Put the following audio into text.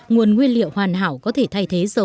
nguồn nguyên liệu hoàn hảo có thể thay thế cho mặt trăng